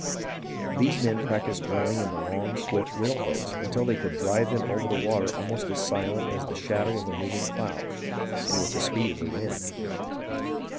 These men practised rowing in the long, swift whale boats until they could drive them over the water almost as silent as the shadow of a moving cloud, and with the speed of the wind.